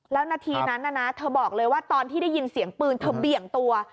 แล้วนาทีนั้นนะเธอบอกเลยว่าตอนที่ได้ยินเสียงปืนเธอเบี่ยงตัว